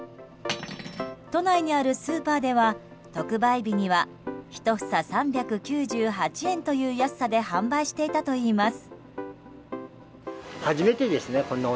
都内にあるスーパーでは特売には１房３９８円という安さで販売していたといいます。